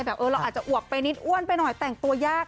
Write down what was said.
เราอาจจะอวกไปนิดอ้วนไปหน่อยแต่งตัวยาก